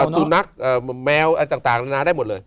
สูรนักแมวอะไรต่างได้หมดเลย